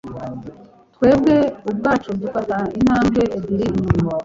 twebwe ubwacu dufata intambwe ebyiri inyuma